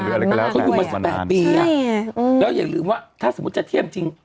หรืออะไรก็แล้วท่านบวชมานานใช่แล้วอย่าลืมว่าถ้าสมมติจะเที่ยมจริง